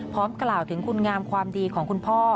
พร้อมกล่าวถึงคุณงามความดีของคุณพ่อ